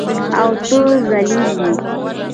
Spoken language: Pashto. او ته ذلیل یې.